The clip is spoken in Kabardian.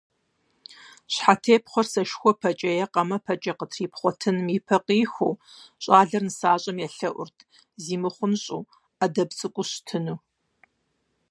Щхьэтепхъуэр сэшхуэпэкӀэ е къамэпэкӀэ къытрипхъуэтыным ипэ къихуэу, щӀалэр нысащӀэм елъэӀурт, зимыхъунщӀэну, Ӏэдэб цӀыкӀуу щытыну.